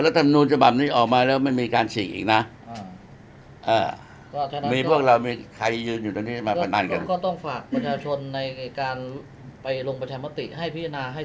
ธรรมนูลฉบับนี้ออกมาแล้วมันมีการฉีกอีกนะ